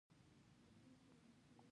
شاید سبا وخت ونه لرې !